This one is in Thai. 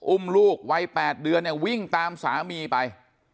อุ้มลูกวัย๘เดือนเนี่ยวิ่งตามสามีไป